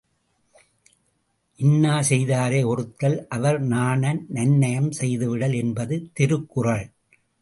இன்னாசெய் தாரை ஒறுத்தல் அவர்நாண நன்னயம் செய்து விடல் என்பது திருக்குறள்.